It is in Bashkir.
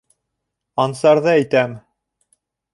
Ансарҙы әйтәм...